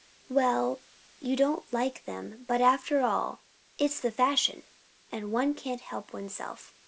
"Well, you don't like them; but, after all, it's the fashion, and one can't help oneself.